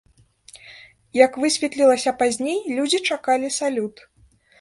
Як высветлілася пазней, людзі чакалі салют.